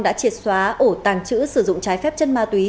đã triệt xóa ổ tàng trữ sử dụng trái phép chất ma túy